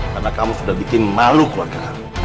karena kamu sudah bikin malu keluarga kamu